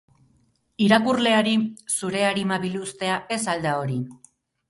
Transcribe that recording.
Irakurleari zure arima biluztea ez al da hori?